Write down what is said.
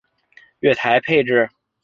月台配置